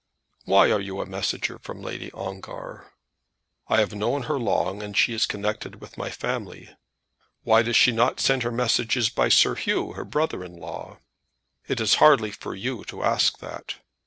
"Why are you a messenger from Lady Ongar?" "I have known her long and she is connected with my family." "Why does she not send her messages by Sir Hugh, her brother in law?" "It is hardly for you to ask that!"